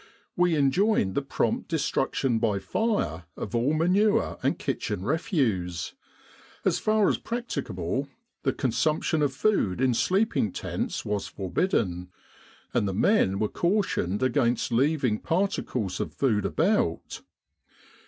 We enjoined the prompt destruction by fire of all manure and kitchen refuse. As far as practicable, the con sumption of food in sleeping tents was forbidden, and the men were cautioned against leaving particles of food about.